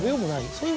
そういう。